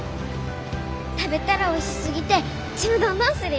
食べたらおいしすぎてちむどんどんするよ！